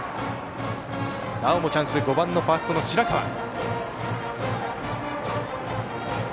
なおもチャンスで５番のファーストの白川。